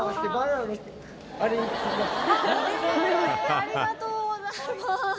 えぇありがとうございます！